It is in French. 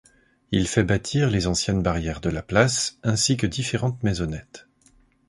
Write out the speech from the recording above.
Il fait bâtir les anciennes barrières de la place, ainsi que différentes maisonnettes.